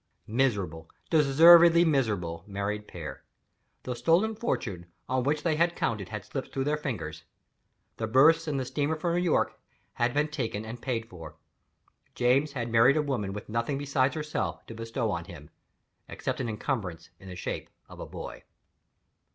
Miserable, deservedly miserable married pair. The stolen fortune, on which they had counted, had slipped through their fingers. The berths in the steamer for New York had been taken and paid for. James had married a woman with nothing besides herself to bestow on him, except an incumbrance in the shape of a boy.